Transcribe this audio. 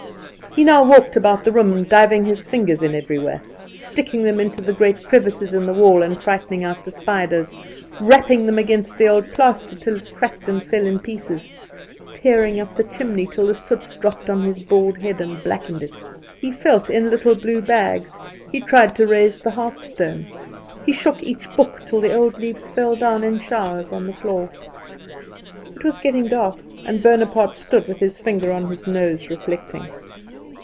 He now walked about the room, diving his fingers in everywhere: sticking them into the great crevices in the wall and frightening out the spiders; rapping them against the old plaster till it cracked and fell in pieces; peering up the chimney, till the soot dropped on his bald head and blackened it. He felt in little blue bags; he tried to raise the hearth stone; he shook each book, till the old leaves fell down in showers on the floor. It was getting dark, and Bonaparte stood with his finger on his nose reflecting.